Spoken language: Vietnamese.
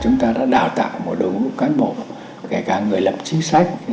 chúng ta đã đào tạo một đối mục cán bộ kể cả người lập chính sách